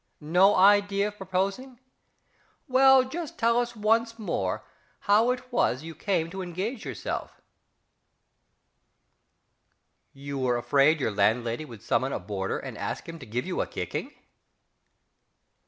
no idea of proposing? Well, just tell us once more how it was you came to engage yourself.... You were afraid your landlady would summon a boarder and ask him to give you a kicking?...